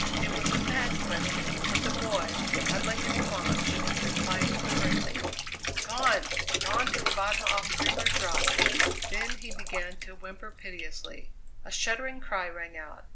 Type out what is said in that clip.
It was a mad question, but the boy, huddling in the launch, replied quiveringly: "Gone! gone to the bottom off Dreamer's Rock." Then he began to whimper piteously. A shuddering cry rang out.